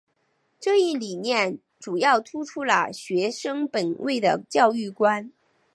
这一理念主要突出了学生本位的教育观。